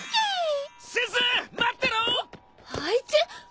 あいつ。